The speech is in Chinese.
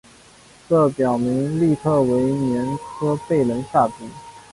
这表明利特维年科被人下毒。